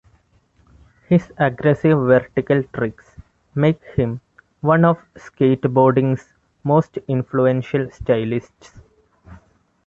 His aggressive vertical tricks make him one of skateboarding's most influential stylists.